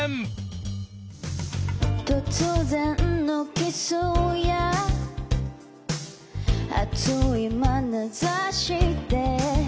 「突然のキスや熱いまなざしで」